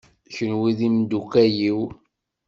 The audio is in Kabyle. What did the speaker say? Kenwi d imeddukal-iw.